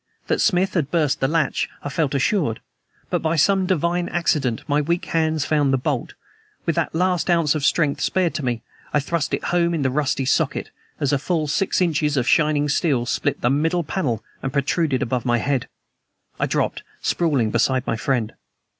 That Smith had burst the latch I felt assured, but by some divine accident my weak hands found the bolt. With the last ounce of strength spared to me I thrust it home in the rusty socket as a full six inches of shining steel split the middle panel and protruded above my head. I dropped, sprawling, beside my friend.